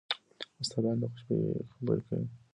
استادان د خوشبینۍ خبره کوي.